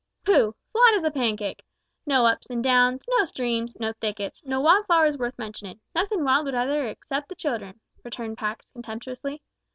"Pooh! flat as a pancake. No ups and downs, no streams, no thickets, no wild flowers worth mentioning nothin' wild whatever 'cept the child'n," returned Pax, contemptuously.